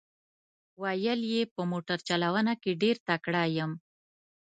ویل یې په موټر چلونه کې ډېر تکړه یم.